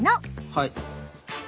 はい。